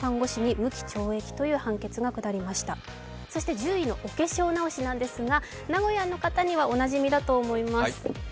１０位のお化粧直しなんですが、名古屋の方にはおなじみかと思います。